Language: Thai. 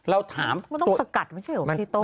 มันต้องสกัดมันใช่เหรอพี่ต้ม